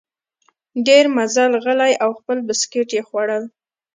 ډېر مزل غلی او خپل بسکیټ یې خوړل.